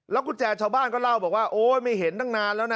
กุญแจชาวบ้านก็เล่าบอกว่าโอ๊ยไม่เห็นตั้งนานแล้วนะ